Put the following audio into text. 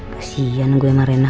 kasian gue sama reina